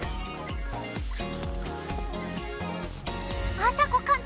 あさこ監督？